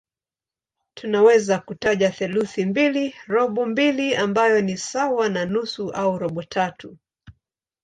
Tunaweza kutaja theluthi mbili, robo mbili ambayo ni sawa na nusu au robo tatu.